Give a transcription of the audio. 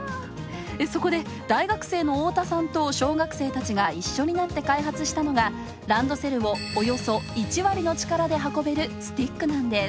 そこで大学生の太田さんと小学生たちが一緒になって開発したのがランドセルをおよそ１割の力で運べるスティックなんです。